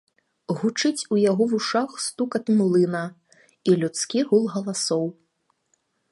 Гучыць у яго вушах стукат млына і людскі гул галасоў.